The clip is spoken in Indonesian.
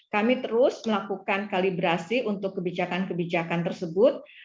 kami terus melakukan kalibrasi untuk kebijakan kebijakan tersebut